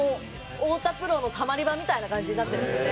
「太田プロのたまり場みたいな感じになってるんですよね